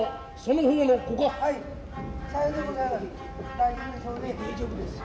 大丈夫ですよ。